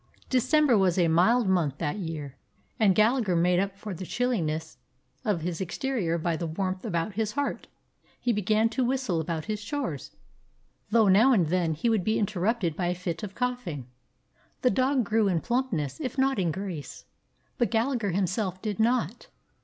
December was a mild month that year, and Gallagher made up for the chilli ness of his exterior by the warmth about his heart. He began to whistle about his chores, 163 DOG HEROES OF MANY LANDS though now and then he would be interrupted by a fit of coughing. The dog grew in plump ness, if not in grace, but Gallagher himself did not.